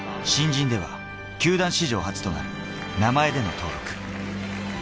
新人では球団史上初となる名前での登録。